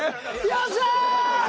よっしゃあ！